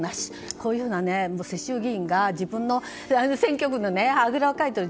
こういうのは世襲議員が自分の選挙区にあぐらをかいている。